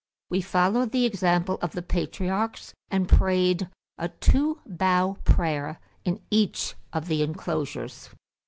We followed the example of the patriarchs, and prayed a two bow prayer in each of the enclosures.